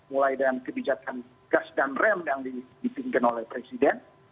mulai dari kebijakan gas dan rem yang dipimpin oleh presiden